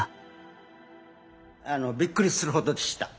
びっくりするほどでした。